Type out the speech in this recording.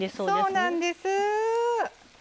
そうなんです。